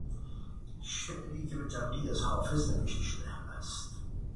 شعری که به تقلید از حافظ نوشته شده است